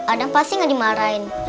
adam pasti gak dimarahin